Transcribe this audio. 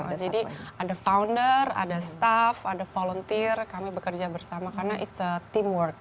betul jadi ada founder ada staff ada volunteer kami bekerja bersama karena it's a teamwork